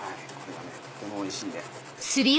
とてもおいしいんで。